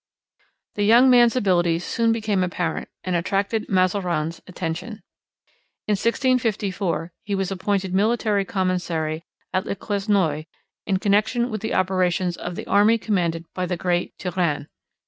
The young man's abilities soon became apparent and attracted Mazarin's attention. In 1654 he was appointed military commissary at Le Quesnoy in connection with the operations of the army commanded by the great Turenne.